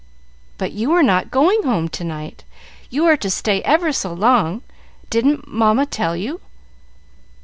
"But you are not going home to night; you are to stay ever so long. Didn't Mamma tell you?"